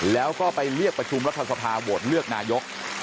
แล้วก็ไปเรียกประชุมรัฐสภาโหวตเลือกนายก